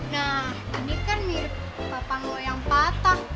nah ini kan mirip papan lo yang patah